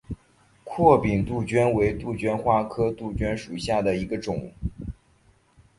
阔柄杜鹃为杜鹃花科杜鹃属下的一个种。